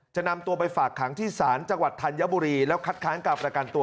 นำตัวไปฝากขังที่ศาลจังหวัดธัญบุรีแล้วคัดค้างการประกันตัว